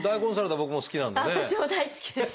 私も大好きです。